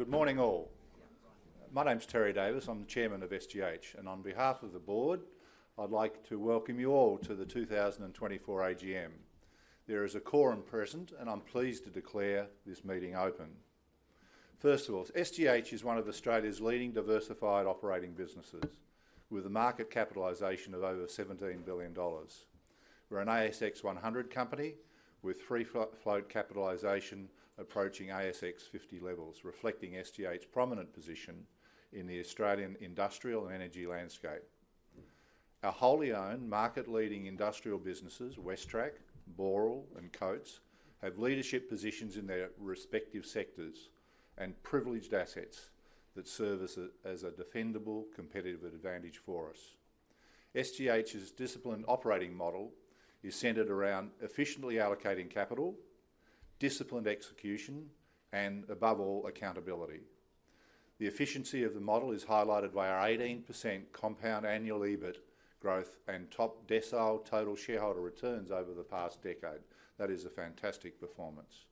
Good morning all. My name's Terry Davis, I'm the Chairman of SGH, and on behalf of the Board, I'd like to welcome you all to the 2024 AGM. There is a quorum present, and I'm pleased to declare this meeting open. First of all, SGH is one of Australia's leading diversified operating businesses, with a market capitalization of over AUD 17 billion. We're an ASX 100 company with free float capitalization approaching ASX 50 levels, reflecting SGH's prominent position in the Australian industrial and energy landscape. Our wholly owned, market-leading industrial businesses, WestTrac, Boral, and Coates, have leadership positions in their respective sectors and privileged assets that serve as a defendable competitive advantage for us. SGH's disciplined operating model is centered around efficiently allocating capital, disciplined execution, and above all, accountability. The efficiency of the model is highlighted by our 18% compound annual EBIT growth and top decile total shareholder returns over the past decade. That is a fantastic performance.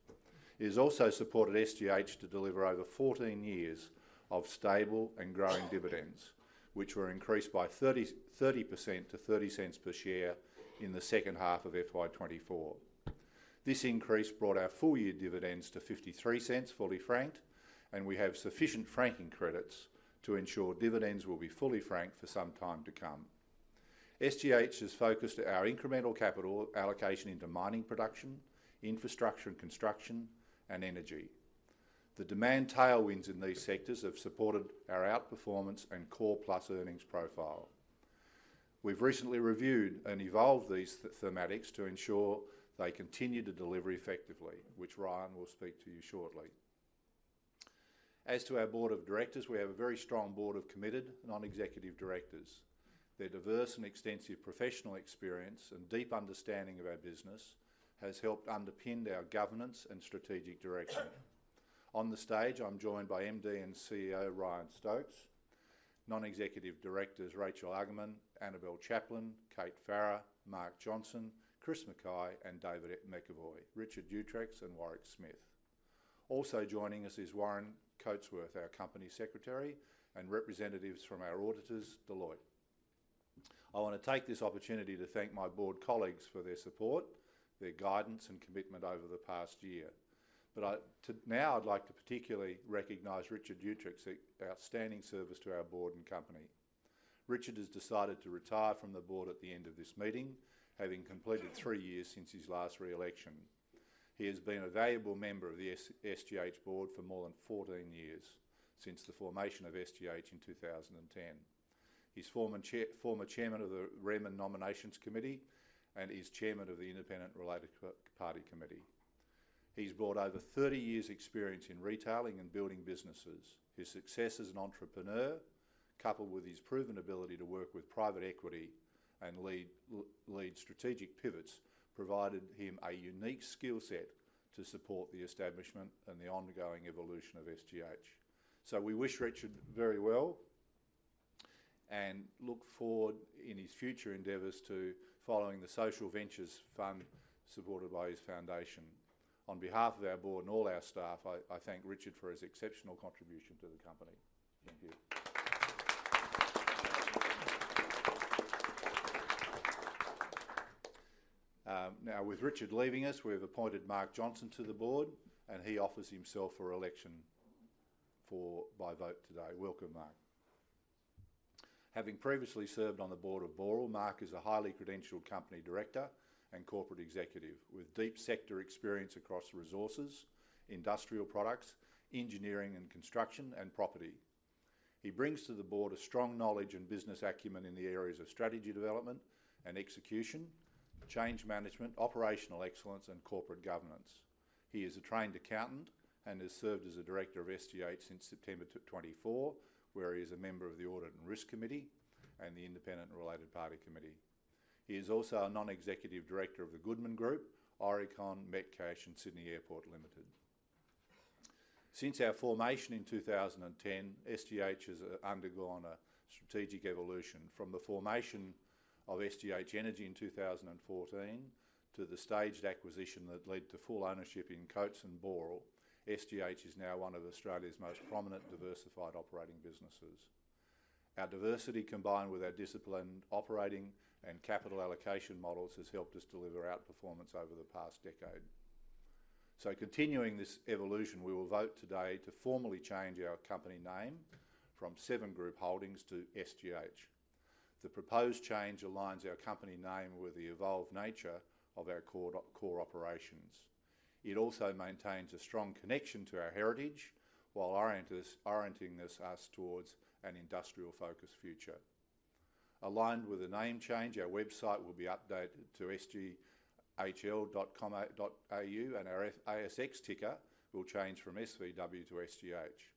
It has also supported SGH to deliver over 14 years of stable and growing dividends, which were increased by 30% to 0.30 per share in the second half of FY24. This increase brought our full-year dividends to 0.53 fully franked, and we have sufficient franking credits to ensure dividends will be fully franked for some time to come. SGH has focused our incremental capital allocation into mining production, infrastructure and construction, and energy. The demand tailwinds in these sectors have supported our outperformance and Core Plus earnings profile. We've recently reviewed and evolved these thematics to ensure they continue to deliver effectively, which Ryan will speak to you shortly. As to our Board of Directors, we have a very strong board of committed non-executive directors. Their diverse and extensive professional experience and deep understanding of our business have helped underpin our governance and strategic direction. On the stage, I'm joined by MD and CEO Ryan Stokes, non-executive directors Rachel Argaman, Annabelle Chaplain, Kate Farrar, Mark Johnson, Chris Mackay, and David McEvoy, Richard Uechtritz, and Warwick Smith. Also joining us is Warren Coatsworth, our Company Secretary, and representatives from our auditors, Deloitte. I want to take this opportunity to thank my Board colleagues for their support, their guidance, and commitment over the past year. But now I'd like to particularly recognise Richard Uechtritz' outstanding service to our Board and Company. Richard has decided to retire from the Board at the end of this meeting, having completed three years since his last re-election. He has been a valuable member of the SGH Board for more than 14 years since the formation of SGH in 2010. He's former Chairman of the Remuneration Nominations Committee and is Chairman of the Independent Related Party Committee. He's brought over 30 years' experience in retailing and building businesses. His success as an entrepreneur, coupled with his proven ability to work with private equity and lead strategic pivots, provided him a unique skill set to support the establishment and the ongoing evolution of SGH. So we wish Richard very well and look forward in his future endeavors to following the social ventures fund supported by his foundation. On behalf of our Board and all our staff, I thank Richard for his exceptional contribution to the company. Thank you. Now, with Richard leaving us, we've appointed Mark Johnson to the Board, and he offers himself for election by vote today. Welcome, Mark. Having previously served on the Board of Boral, Mark is a highly credentialed Company Director and Corporate Executive with deep sector experience across resources, industrial products, engineering and construction, and property. He brings to the Board a strong knowledge and business acumen in the areas of strategy development and execution, change management, operational excellence, and corporate governance. He is a trained accountant and has served as a Director of SGH since September 2024, where he is a member of the Audit and Risk Committee and the Independent Related Party Committee. He is also a non-executive director of the Goodman Group, Aurecon, Metcash, and Sydney Airport Limited. Since our formation in 2010, SGH has undergone a strategic evolution from the formation of SGH Energy in 2014 to the staged acquisition that led to full ownership in Coates and Boral. SGH is now one of Australia's most prominent diversified operating businesses. Our diversity, combined with our disciplined operating and capital allocation models, has helped us deliver outperformance over the past decade. Continuing this evolution, we will vote today to formally change our company name from Seven Group Holdings to SGH. The proposed change aligns our company name with the evolved nature of our core operations. It also maintains a strong connection to our heritage while orienting us towards an industrial-focused future. Aligned with the name change, our website will be updated to sgh.com.au. Our ASX ticker will change from SVW to SGH.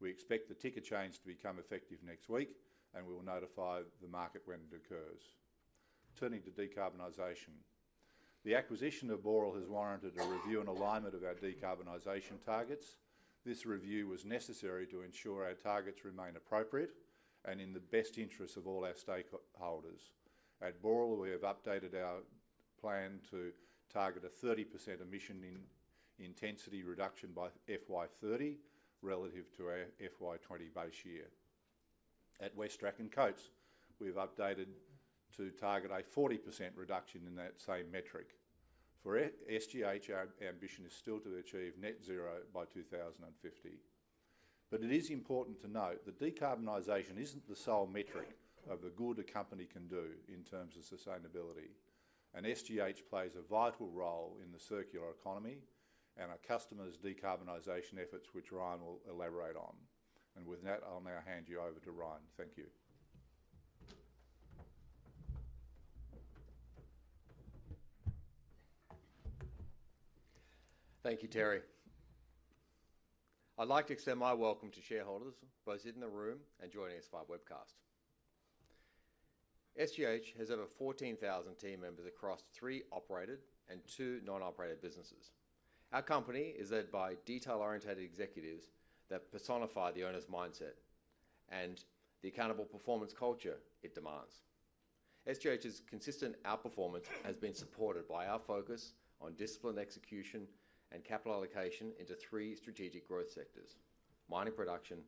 We expect the ticker change to become effective next week, and we will notify the market when it occurs. Turning to decarbonization, the acquisition of Boral has warranted a review and alignment of our decarbonization targets. This review was necessary to ensure our targets remain appropriate and in the best interests of all our stakeholders. At Boral, we have updated our plan to target a 30% emission intensity reduction by FY30 relative to our FY20 base year. At WestTrac and Coates, we've updated to target a 40% reduction in that same metric. For SGH, our ambition is still to achieve net zero by 2050. But it is important to note that decarbonization isn't the sole metric of the good a company can do in terms of sustainability. And SGH plays a vital role in the circular economy and our customers' decarbonization efforts, which Ryan will elaborate on. And with that, I'll now hand you over to Ryan. Thank you. Thank you, Terry. I'd like to extend my welcome to shareholders both sitting in the room and joining us via webcast. SGH has over 14,000 team members across three operated and two non-operated businesses. Our company is led by detail-oriented executives that personify the owner's mindset and the accountable performance culture it demands. SGH's consistent outperformance has been supported by our focus on disciplined execution and capital allocation into three strategic growth sectors: mining production,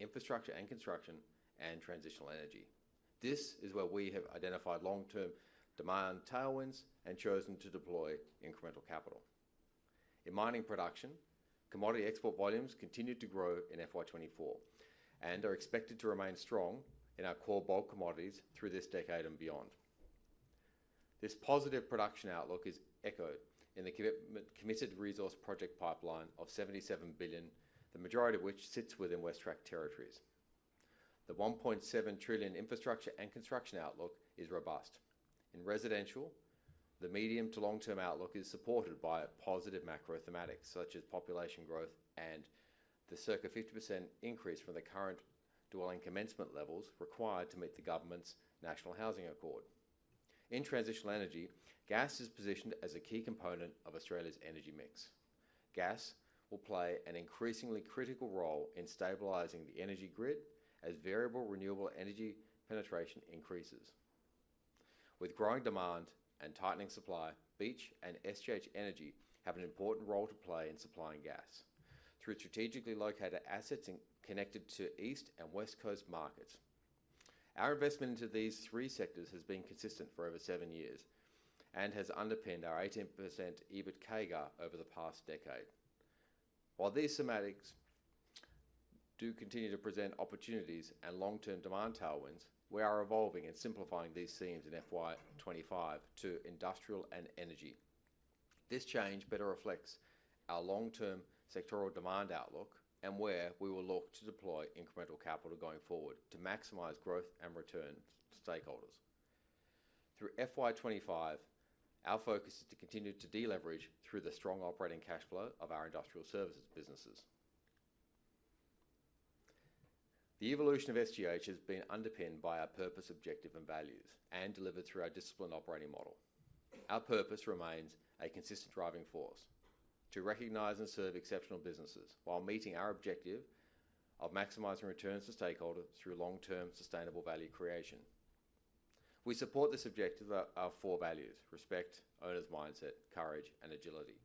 infrastructure and construction, and transitional energy. This is where we have identified long-term demand tailwinds and chosen to deploy incremental capital. In mining production, commodity export volumes continue to grow in FY24 and are expected to remain strong in our core bulk commodities through this decade and beyond. This positive production outlook is echoed in the committed resource project pipeline of 77 billion, the majority of which sits within WestTrac territories. The 1.7 trillion infrastructure and construction outlook is robust. In residential, the medium to long-term outlook is supported by positive macro thematics such as population growth and the circa 50% increase from the current dwelling commencement levels required to meet the government's National Housing Accord. In transitional energy, gas is positioned as a key component of Australia's energy mix. Gas will play an increasingly critical role in stabilizing the energy grid as variable renewable energy penetration increases. With growing demand and tightening supply, Beach and SGH Energy have an important role to play in supplying gas through strategically located assets connected to East and West Coast markets. Our investment into these three sectors has been consistent for over seven years and has underpinned our 18% EBIT CAGR over the past decade. While these thematics do continue to present opportunities and long-term demand tailwinds, we are evolving and simplifying these themes in FY25 to industrial and energy. This change better reflects our long-term sectoral demand outlook and where we will look to deploy incremental capital going forward to maximize growth and returns to stakeholders. Through FY25, our focus is to continue to deleverage through the strong operating cash flow of our industrial services businesses. The evolution of SGH has been underpinned by our purpose, objective, and values and delivered through our disciplined operating model. Our purpose remains a consistent driving force to recognize and serve exceptional businesses while meeting our objective of maximizing returns to stakeholders through long-term sustainable value creation. We support this objective of four values: respect, owner's mindset, courage, and agility.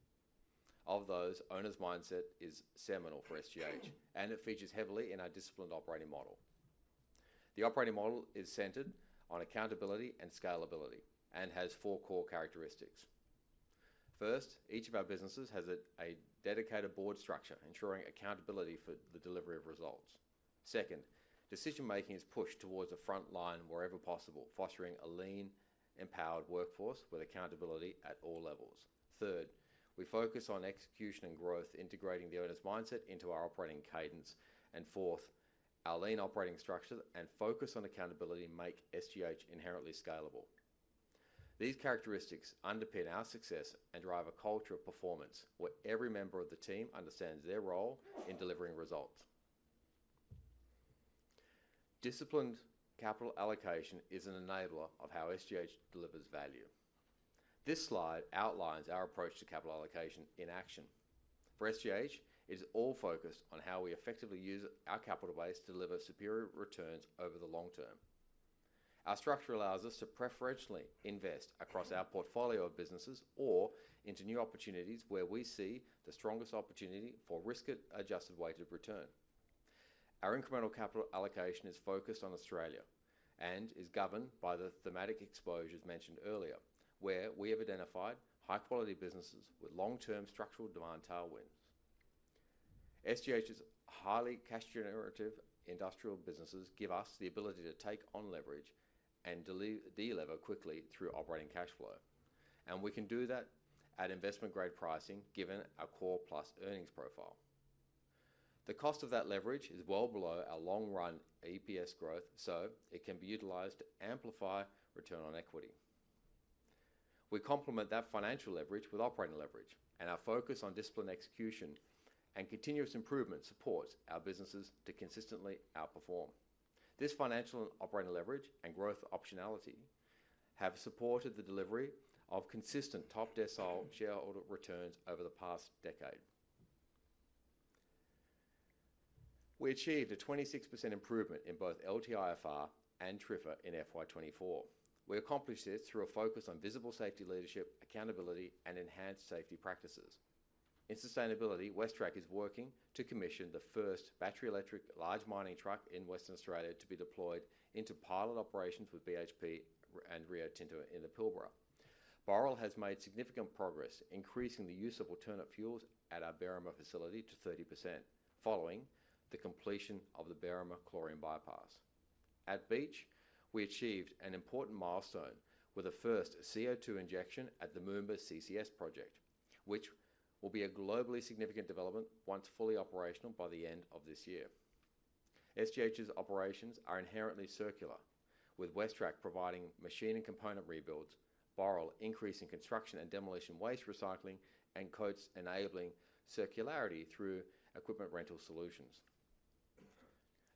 Of those, owner's mindset is seminal for SGH, and it features heavily in our disciplined operating model. The operating model is centered on accountability and scalability and has four core characteristics. First, each of our businesses has a dedicated board structure ensuring accountability for the delivery of results. Second, decision-making is pushed towards the front line wherever possible, fostering a lean, empowered workforce with accountability at all levels. Third, we focus on execution and growth, integrating the owner's mindset into our operating cadence, and fourth, our lean operating structure and focus on accountability make SGH inherently scalable. These characteristics underpin our success and drive a culture of performance where every member of the team understands their role in delivering results. Disciplined capital allocation is an enabler of how SGH delivers value. This slide outlines our approach to capital allocation in action. For SGH, it is all focused on how we effectively use our capital base to deliver superior returns over the long term. Our structure allows us to preferentially invest across our portfolio of businesses or into new opportunities where we see the strongest opportunity for risk-adjusted weighted return. Our incremental capital allocation is focused on Australia and is governed by the thematic exposures mentioned earlier, where we have identified high-quality businesses with long-term structural demand tailwinds. SGH's highly cash-generative industrial businesses give us the ability to take on leverage and deliver quickly through operating cash flow, and we can do that at investment-grade pricing given our Core Plus earnings profile. The cost of that leverage is well below our long-run EPS growth, so it can be utilized to amplify return on equity. We complement that financial leverage with operating leverage, and our focus on disciplined execution and continuous improvement supports our businesses to consistently outperform. This financial and operating leverage and growth optionality have supported the delivery of consistent top-decile shareholder returns over the past decade. We achieved a 26% improvement in both LTIFR and TRIFR in FY24. We accomplished this through a focus on visible safety leadership, accountability, and enhanced safety practices. In sustainability, WestTrac is working to commission the first battery-electric large mining truck in Western Australia to be deployed into pilot operations with BHP and Rio Tinto in the Pilbara. Boral has made significant progress, increasing the use of alternate fuels at our Berrima facility to 30% following the completion of the Berrima Chlorine Bypass. At Beach Energy, we achieved an important milestone with the first CO2 injection at the Moomba CCS Project, which will be a globally significant development once fully operational by the end of this year. SGH's operations are inherently circular, with WestTrac providing machine and component rebuilds, Boral increasing construction and demolition waste recycling, and Coates enabling circularity through equipment rental solutions.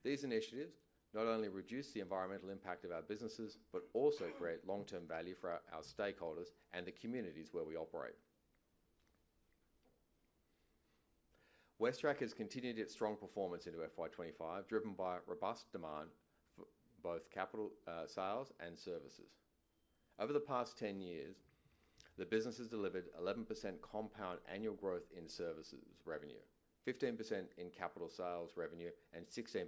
These initiatives not only reduce the environmental impact of our businesses but also create long-term value for our stakeholders and the communities where we operate. WestTrac has continued its strong performance into FY25, driven by robust demand for both capital sales and services. Over the past 10 years, the business has delivered 11% compound annual growth in services revenue, 15% in capital sales revenue, and 16%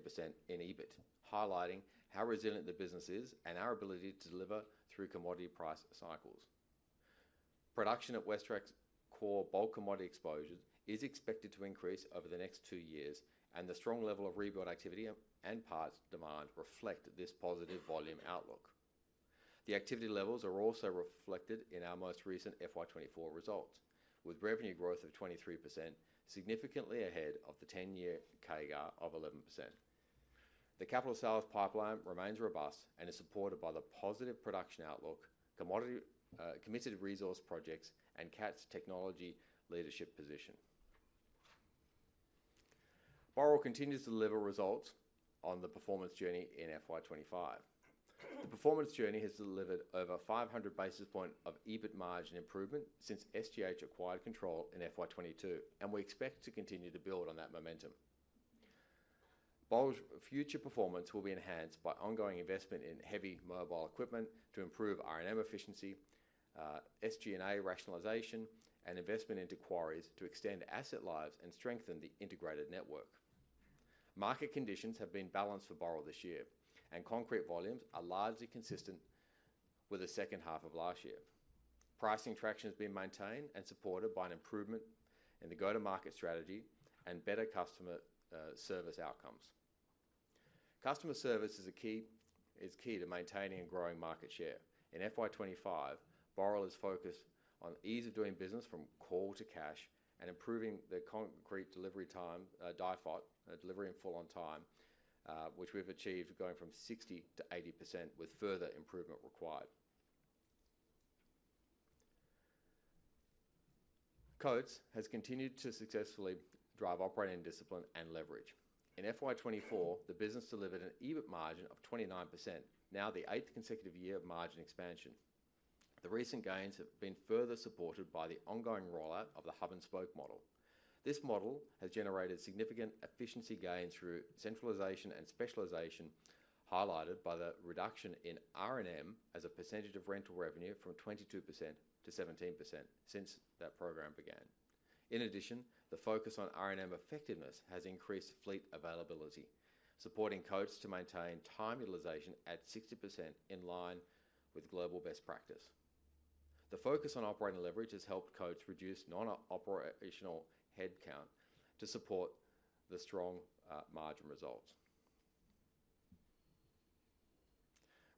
in EBIT, highlighting how resilient the business is and our ability to deliver through commodity price cycles. Production at WestTrac's core bulk commodity exposures is expected to increase over the next two years, and the strong level of rebuild activity and parts demand reflect this positive volume outlook. The activity levels are also reflected in our most recent FY24 results, with revenue growth of 23%, significantly ahead of the 10-year CAGR of 11%. The capital sales pipeline remains robust and is supported by the positive production outlook, committed resource projects, and Cat's technology leadership position. Boral continues to deliver results on the Performance Journey in FY25. The Performance Journey has delivered over 500 basis points of EBIT margin improvement since SGH acquired control in FY22, and we expect to continue to build on that momentum. Future performance will be enhanced by ongoing investment in heavy mobile equipment to improve R&M efficiency, SG&A rationalization, and investment into quarries to extend asset lives and strengthen the integrated network. Market conditions have been balanced for Boral this year, and concrete volumes are largely consistent with the second half of last year. Pricing traction has been maintained and supported by an improvement in the go-to-market strategy and better customer service outcomes. Customer service is key to maintaining and growing market share. In FY25, Boral is focused on ease of doing business from core to cash and improving the concrete delivery time, DIFOT, delivery in full, on time, which we've achieved going from 60% to 80% with further improvement required. Coates has continued to successfully drive operating discipline and leverage. In FY24, the business delivered an EBIT margin of 29%, now the eighth consecutive year of margin expansion. The recent gains have been further supported by the ongoing rollout of the hub-and-spoke model. This model has generated significant efficiency gains through centralization and specialization, highlighted by the reduction in R&M as a percentage of rental revenue from 22% to 17% since that program began. In addition, the focus on R&M effectiveness has increased fleet availability, supporting Coates to maintain time utilization at 60% in line with global best practice. The focus on operating leverage has helped Coates reduce non-operational headcount to support the strong margin results.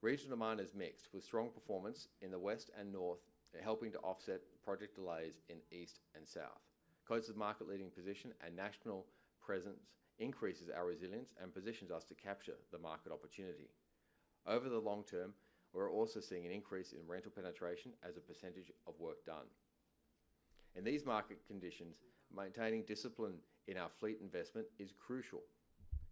Regional demand is mixed, with strong performance in the west and north helping to offset project delays in east and south. Coates' market-leading position and national presence increases our resilience and positions us to capture the market opportunity. Over the long term, we're also seeing an increase in rental penetration as a percentage of work done. In these market conditions, maintaining discipline in our fleet investment is crucial,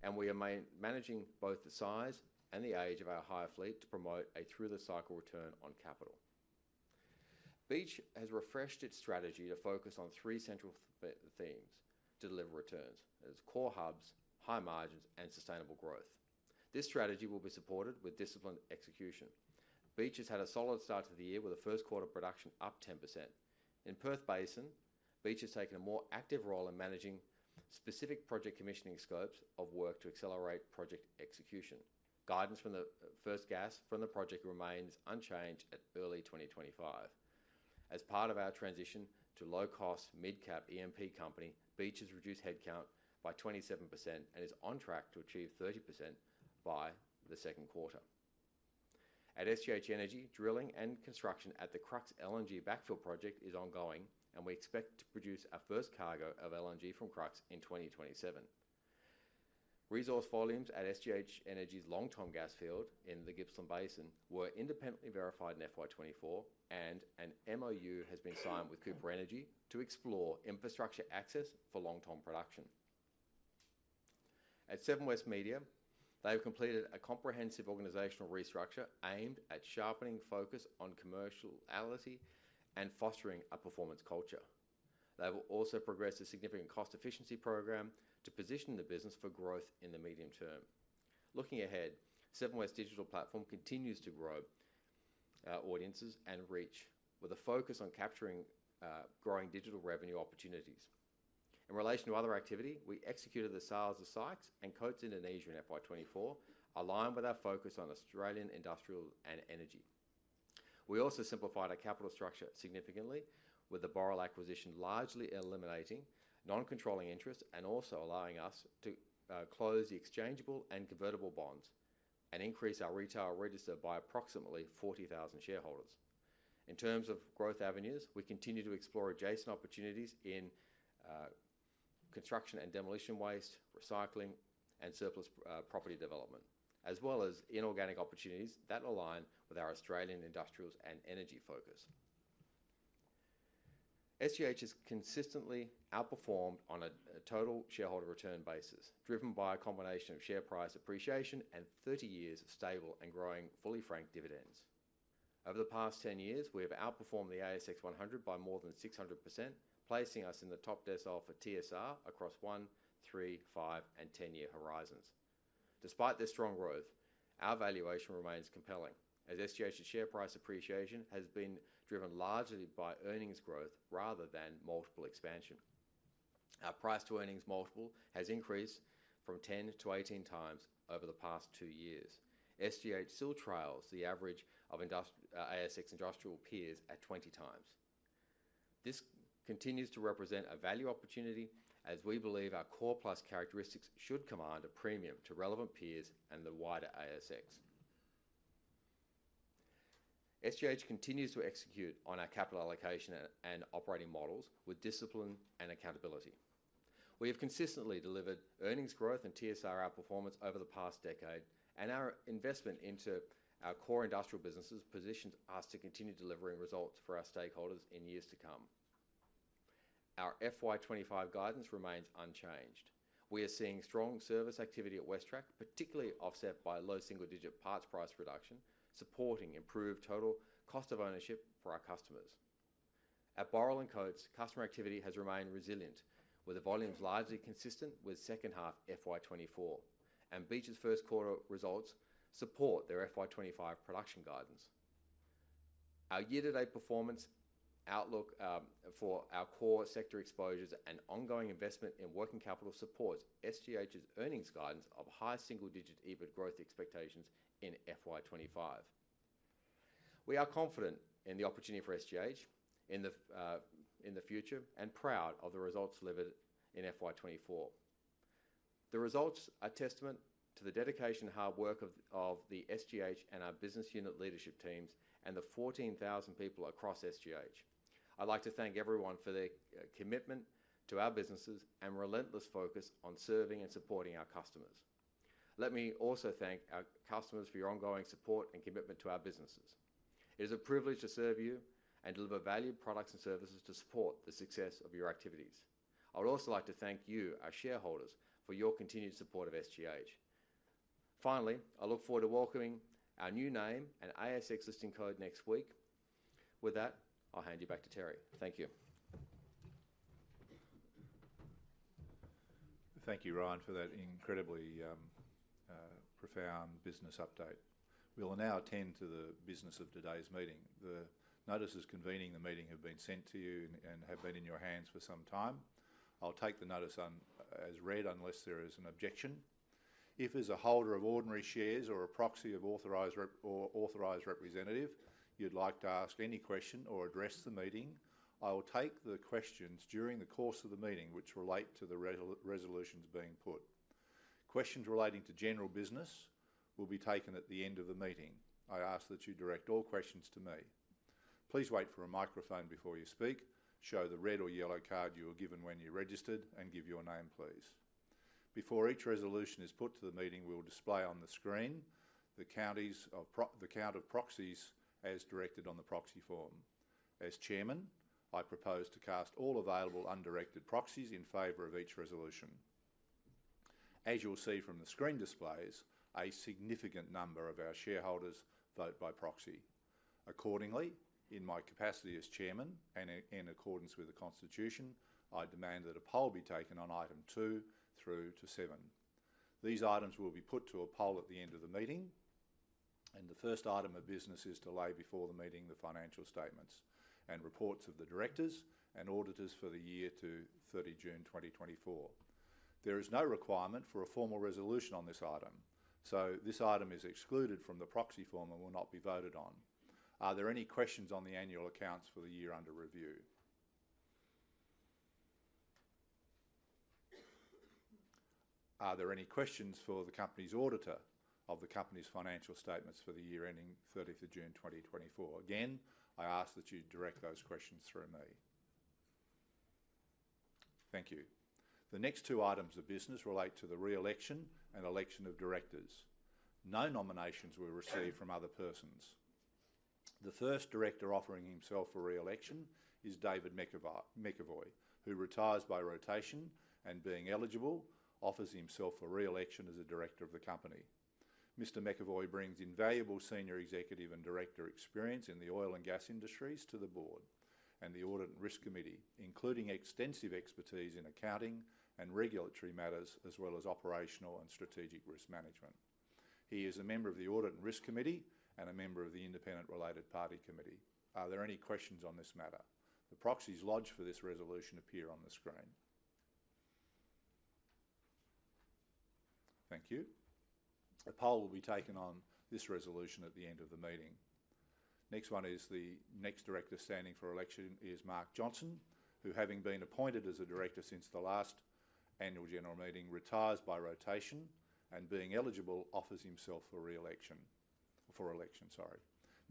and we are managing both the size and the age of our hire fleet to promote a through-the-cycle return on capital. Beach has refreshed its strategy to focus on three central themes to deliver returns. There's core hubs, high margins, and sustainable growth. This strategy will be supported with disciplined execution. Beach has had a solid start to the year with the first quarter production up 10%. In Perth Basin, Beach has taken a more active role in managing specific project commissioning scopes of work to accelerate project execution. Guidance for the first gas from the project remains unchanged at early 2025. As part of our transition to low-cost mid-cap E&P company, Beach has reduced headcount by 27% and is on track to achieve 30% by the second quarter. At SGH Energy, drilling and construction at the Crux LNG backfill project is ongoing, and we expect to produce our first cargo of LNG from Crux in 2027. Resource volumes at SGH Energy's long-term gas field in the Gippsland Basin were independently verified in FY24, and an MOU has been signed with Cooper Energy to explore infrastructure access for long-term production. At Seven West Media, they have completed a comprehensive organizational restructure aimed at sharpening focus on commerciality and fostering a performance culture. They have also progressed a significant cost efficiency program to position the business for growth in the medium term. Looking ahead, Seven West Digital Platform continues to grow audiences and reach with a focus on capturing growing digital revenue opportunities. In relation to other activity, we executed the sales of Sykes and Coates Indonesia in FY24, aligned with our focus on Australian industrial and energy. We also simplified our capital structure significantly, with the Boral acquisition largely eliminating non-controlling interest and also allowing us to close the exchangeable and convertible bonds and increase our retail register by approximately 40,000 shareholders. In terms of growth avenues, we continue to explore adjacent opportunities in construction and demolition waste, recycling, and surplus property development, as well as inorganic opportunities that align with our Australian industrials and energy focus. SGH has consistently outperformed on a total shareholder return basis, driven by a combination of share price appreciation and 30 years of stable and growing fully-franked dividends. Over the past 10 years, we have outperformed the ASX 100 by more than 600%, placing us in the top decile for TSR across one, three, five, and 10-year horizons. Despite this strong growth, our valuation remains compelling, as SGH's share price appreciation has been driven largely by earnings growth rather than multiple expansion. Our price-to-earnings multiple has increased from 10 to 18 times over the past two years. SGH still trails the average of ASX industrial peers at 20 times. This continues to represent a value opportunity, as we believe our Core Plus characteristics should command a premium to relevant peers and the wider ASX. SGH continues to execute on our capital allocation and operating models with discipline and accountability. We have consistently delivered earnings growth and TSR outperformance over the past decade, and our investment into our core industrial businesses positions us to continue delivering results for our stakeholders in years to come. Our FY25 guidance remains unchanged. We are seeing strong service activity at WestTrac, particularly offset by low single-digit parts price reduction, supporting improved total cost of ownership for our customers. At Boral and Coates, customer activity has remained resilient, with the volumes largely consistent with second half FY24, and Beach's first quarter results support their FY25 production guidance. Our year-to-date performance outlook for our core sector exposures and ongoing investment in working capital supports SGH's earnings guidance of high single-digit EBIT growth expectations in FY25. We are confident in the opportunity for SGH in the future and proud of the results delivered in FY24. The results are a testament to the dedication and hard work of the SGH and our business unit leadership teams and the 14,000 people across SGH. I'd like to thank everyone for their commitment to our businesses and relentless focus on serving and supporting our customers. Let me also thank our customers for your ongoing support and commitment to our businesses. It is a privilege to serve you and deliver valued products and services to support the success of your activities. I would also like to thank you, our shareholders, for your continued support of SGH. Finally, I look forward to welcoming our new name and ASX listing code next week. With that, I'll hand you back to Terry. Thank you. Thank you, Ryan, for that incredibly profound business update. We'll now attend to the business of today's meeting. The notices convening the meeting have been sent to you and have been in your hands for some time. I'll take the notice as read unless there is an objection. If as a holder of ordinary shares or a proxy of authorized representative, you'd like to ask any question or address the meeting, I will take the questions during the course of the meeting which relate to the resolutions being put. Questions relating to general business will be taken at the end of the meeting. I ask that you direct all questions to me. Please wait for a microphone before you speak. Show the red or yellow card you were given when you registered and give your name, please. Before each resolution is put to the meeting, we will display on the screen the count of proxies as directed on the proxy form. As chairman, I propose to cast all available undirected proxies in favor of each resolution. As you'll see from the screen displays, a significant number of our shareholders vote by proxy. Accordingly, in my capacity as Chairman and in accordance with the Constitution, I demand that a poll be taken on item two through to seven. These items will be put to a poll at the end of the meeting, and the first item of business is to lay before the meeting the financial statements and reports of the directors and auditors for the year to 30 June 2024. There is no requirement for a formal resolution on this item, so this item is excluded from the proxy form and will not be voted on. Are there any questions on the annual accounts for the year under review? Are there any questions for the company's auditor of the company's financial statements for the year ending 30th of June 2024? Again, I ask that you direct those questions through me. Thank you. The next two items of business relate to the re-election and election of directors. No nominations were received from other persons. The first director offering himself for re-election is David McEvoy, who retires by rotation and, being eligible, offers himself for re-election as a director of the company. Mr. McEvoy brings invaluable senior executive and director experience in the oil and gas industries to the board and the Audit and Risk Committee, including extensive expertise in accounting and regulatory matters as well as operational and strategic risk management. He is a member of the Audit and Risk Committee and a member of the Independent Related Party Committee. Are there any questions on this matter? The proxies lodged for this resolution appear on the screen. Thank you. A poll will be taken on this resolution at the end of the meeting. Next one is the next director standing for election is Mark Johnson, who, having been appointed as a director since the last annual general meeting, retires by rotation and, being eligible, offers himself for re-election.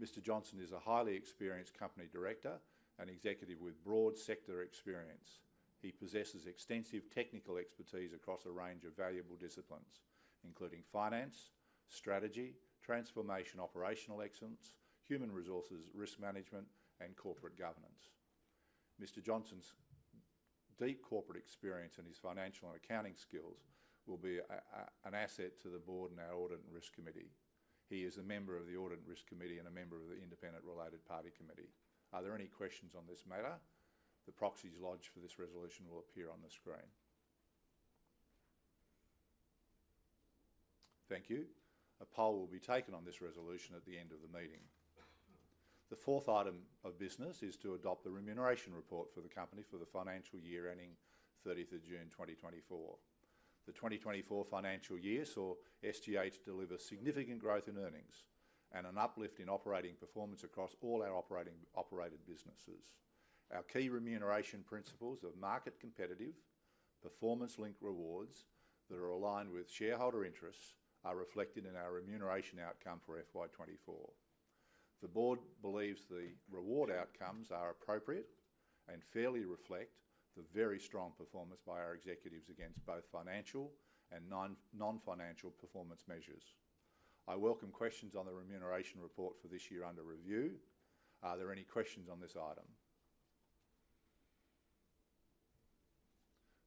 Mr. Johnson is a highly experienced company director and executive with broad sector experience. He possesses extensive technical expertise across a range of valuable disciplines, including finance, strategy, transformation operational excellence, human resources, risk management, and corporate governance. Mr. Johnson's deep corporate experience and his financial and accounting skills will be an asset to the board and our Audit and Risk Committee. He is a member of the Audit and Risk Committee and a member of the Independent Related Party Committee. Are there any questions on this matter? The proxies lodged for this resolution will appear on the screen. Thank you. A poll will be taken on this resolution at the end of the meeting. The fourth item of business is to adopt the Remuneration Report for the company for the financial year ending 30th of June 2024. The 2024 financial year saw SGH deliver significant growth in earnings and an uplift in operating performance across all our operated businesses. Our key remuneration principles of market competitive, performance-linked rewards that are aligned with shareholder interests are reflected in our remuneration outcome for FY24. The board believes the reward outcomes are appropriate and fairly reflect the very strong performance by our executives against both financial and non-financial performance measures. I welcome questions on the Remuneration Report for this year under review. Are there any questions on this item?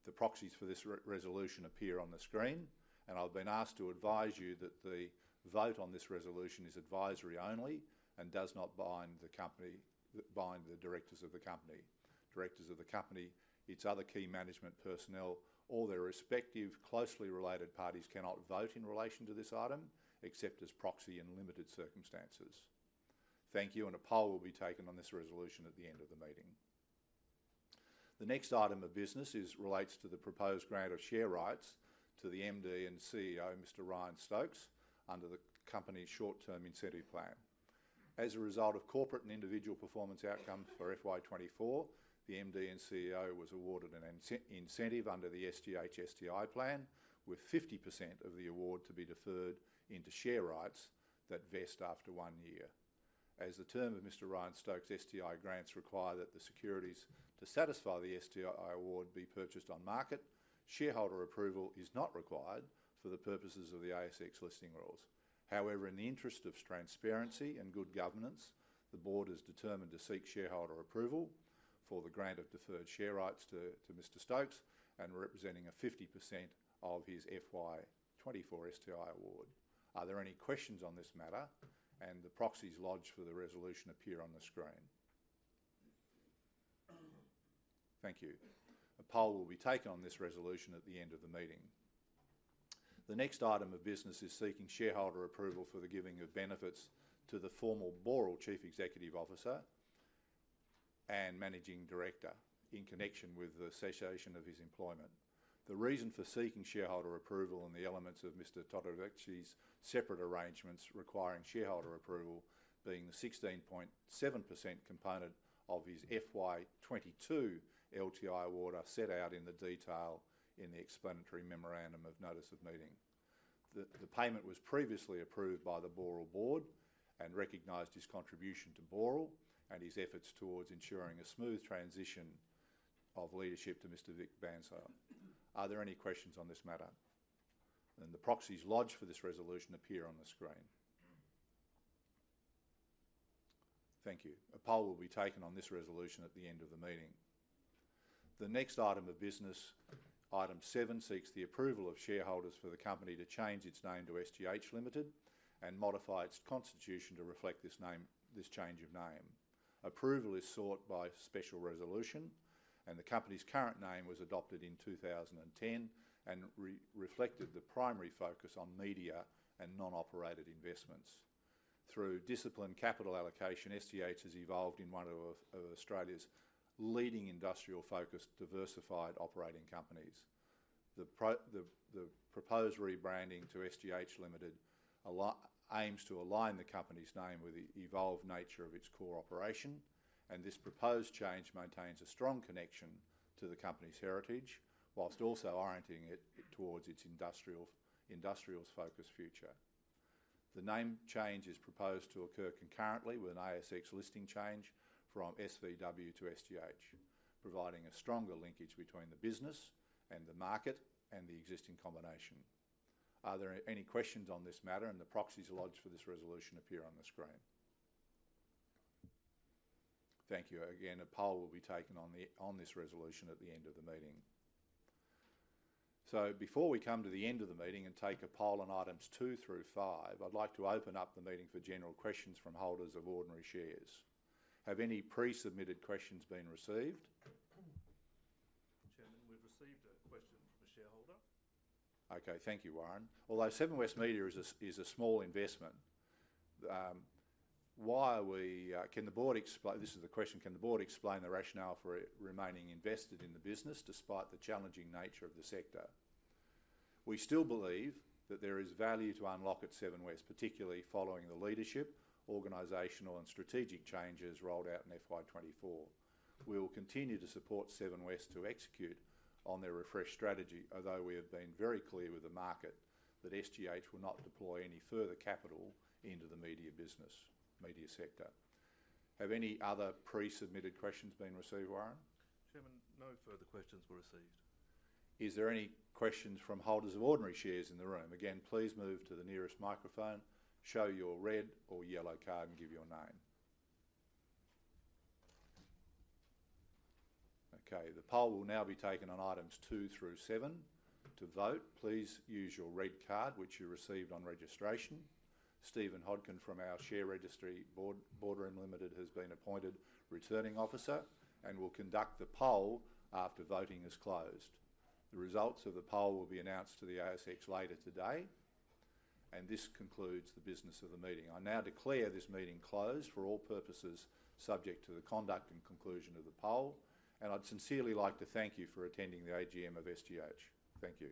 The proxies for this resolution appear on the screen, and I've been asked to advise you that the vote on this resolution is advisory only and does not bind the directors of the company. Directors of the company, its other key management personnel, or their respective closely related parties cannot vote in relation to this item except as proxy in limited circumstances. Thank you, and a poll will be taken on this resolution at the end of the meeting. The next item of business relates to the proposed grant of share rights to the MD and CEO, Mr. Ryan Stokes, under the company's Short-Term Incentive Plan. As a result of corporate and individual performance outcomes for FY24, the MD and CEO was awarded an incentive under the SGH STI plan, with 50% of the award to be deferred into share rights that vest after one year. As the term of Mr. Ryan Stokes STI grants require that the securities to satisfy the STI award be purchased on market, shareholder approval is not required for the purposes of the ASX listing rules. However, in the interest of transparency and good governance, the board is determined to seek shareholder approval for the grant of deferred share rights to Mr. Stokes and representing 50% of his FY24 STI award. Are there any questions on this matter? And the proxies lodged for the resolution appear on the screen. Thank you. A poll will be taken on this resolution at the end of the meeting. The next item of business is seeking shareholder approval for the giving of benefits to the former Boral Chief Executive Officer and Managing Director in connection with the cessation of his employment. The reason for seeking shareholder approval and the elements of Mr. Todorcevski's separate arrangements requiring shareholder approval being the 16.7% component of his FY22 LTI award are set out in the detail in the explanatory memorandum of Notice of Meeting. The payment was previously approved by the Boral board and recognized his contribution to Boral and his efforts towards ensuring a smooth transition of leadership to Mr. Vik Bansal. Are there any questions on this matter? And the proxies lodged for this resolution appear on the screen. Thank you. A poll will be taken on this resolution at the end of the meeting. The next item of business, item seven, seeks the approval of shareholders for the company to change its name to SGH Limited and modify its constitution to reflect this change of name. Approval is sought by special resolution, and the company's current name was adopted in 2010 and reflected the primary focus on media and non-operated investments. Through disciplined capital allocation, SGH has evolved in one of Australia's leading industrial-focused diversified operating companies. The proposed rebranding to SGH Limited aims to align the company's name with the evolved nature of its core operation, and this proposed change maintains a strong connection to the company's heritage while also orienting it towards its industrials-focused future. The name change is proposed to occur concurrently with an ASX listing change from SVW to SGH, providing a stronger linkage between the business and the market and the existing combination. Are there any questions on this matter? And the proxies lodged for this resolution appear on the screen. Thank you. Again, a poll will be taken on this resolution at the end of the meeting. So before we come to the end of the meeting and take a poll on items two through five, I'd like to open up the meeting for general questions from holders of ordinary shares. Have any pre-submitted questions been received? Chairman, we've received a question from a shareholder. Okay. Thank you, Warren. Although Seven West Media is a small investment, can the board explain, this is the question, can the board explain the rationale for remaining invested in the business despite the challenging nature of the sector? We still believe that there is value to unlock at Seven West, particularly following the leadership, organizational, and strategic changes rolled out in FY24. We will continue to support Seven West to execute on their refreshed strategy, although we have been very clear with the market that SGH will not deploy any further capital into the media business, media sector. Have any other pre-submitted questions been received, Warren? Chairman, no further questions were received. Is there any questions from holders of ordinary shares in the room? Again, please move to the nearest microphone, show your red or yellow card, and give your name. Okay. The poll will now be taken on items two through seven. To vote, please use your red card, which you received on registration. Stephen Hodgkin from our share registry, Boardroom Limited, has been appointed returning officer and will conduct the poll after voting is closed. The results of the poll will be announced to the ASX later today, and this concludes the business of the meeting. I now declare this meeting closed for all purposes subject to the conduct and conclusion of the poll, and I'd sincerely like to thank you for attending the AGM of SGH. Thank you.